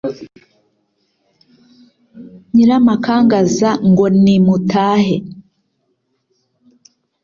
Nyiramakangaza ngo nimutahe.